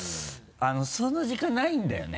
その時間ないんだよね。